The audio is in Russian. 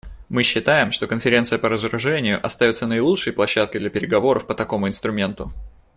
Мы считаем, что Конференция по разоружению остается наилучшей площадкой для переговоров по такому инструменту.